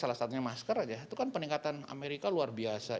salah satunya masker aja itu kan peningkatan amerika luar biasa